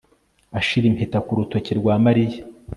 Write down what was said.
Ashira impeta ku rutoki rwa Mariya